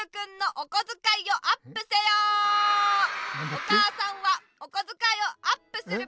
お母さんはおこづかいをアップするべきだ！